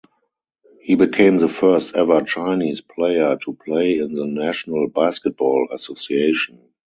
He became the first ever Chinese player to play in the National Basketball Association.